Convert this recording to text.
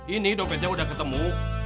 ini dompetnya udah ketemu